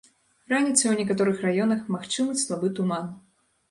Раніцай у некаторых раёнах магчымы слабы туман.